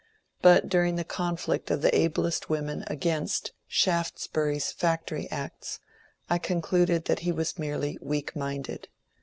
But during the conflict of the ablest women against Shaftesbury's Factory Acts, I concluded that he was merely weak minded.